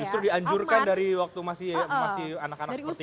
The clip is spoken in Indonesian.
justru dianjurkan dari waktu masih anak anak seperti ini